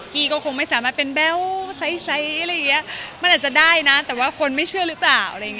กี้ก็คงไม่สามารถเป็นแบวท์ไซร์มันอาจจะได้นะแต่ว่าคนไม่เชื่อหรือเปล่า